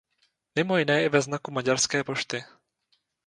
Mimo jiné i ve znaku Maďarské pošty.